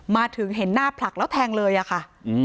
มาถึงเห็นหน้าผลักแล้วแทงเลยอะค่ะ